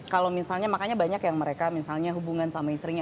kalau misalnya makanya banyak yang mereka misalnya hubungan sama istrinya